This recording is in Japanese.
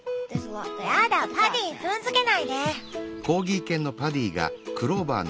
やだパディ踏んづけないで！